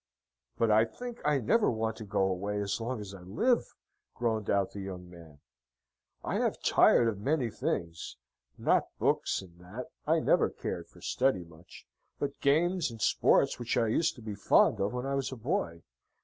"But I think I never want to go away as long as I live," groaned out the young man. "I have tired of many things; not books and that, I never cared for study much, but games and sports which I used to be fond of when I was a boy.